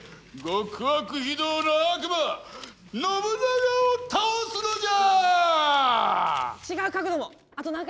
極悪非道の悪魔信長を倒すのじゃ！